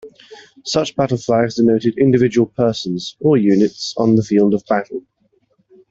Such battle flags denoted individual persons, or units, on the field of battle.